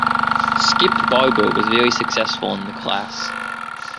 Skip Barber was very successful in the class.